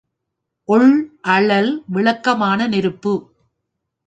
ஒள் அழல்—விளக்கமான நெருப்பு.